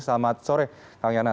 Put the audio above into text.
selamat sore kang yana